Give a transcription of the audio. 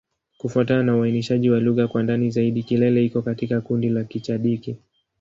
Kufuatana na uainishaji wa lugha kwa ndani zaidi, Kilele iko katika kundi la Kichadiki.